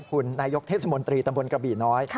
คุณนายกเทศมนตรีตำบลกระบี่น้อย